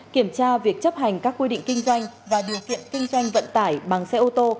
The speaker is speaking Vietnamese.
kiểm tra việc chấp hành các quy định kinh doanh và điều kiện kinh doanh vận tải bằng xe ô tô